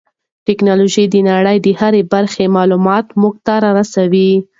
ټیکنالوژي د نړۍ د هرې برخې معلومات موږ ته را رسوي.